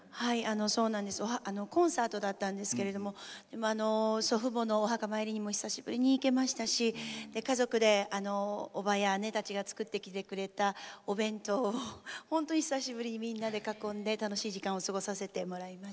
そうなんですコンサートだったんですけれど祖父母のお墓参りにも久しぶりに行けましたし家族でおばや姉たちが作ってきてくれたお弁当をほんとに久しぶりにみんなで囲んで楽しい時間を過ごさせてもらいました。